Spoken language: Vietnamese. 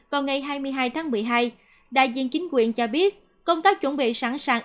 vào ngày hai mươi hai tháng một mươi hai đại diện chính quyền cho biết công tác chuẩn bị sẵn sàng